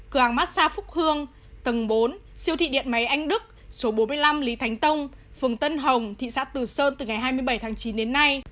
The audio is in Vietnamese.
cửa hàng massag phúc hương tầng bốn siêu thị điện máy anh đức số bốn mươi năm lý thánh tông phường tân hồng thị xã từ sơn từ ngày hai mươi bảy tháng chín đến nay